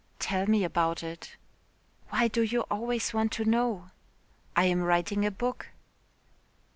"Tell me about it." "Why do you always want to know?" "I am writing a book."